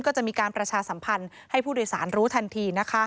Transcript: ก็จะมีการประชาสัมพันธ์ให้ผู้โดยสารรู้ทันที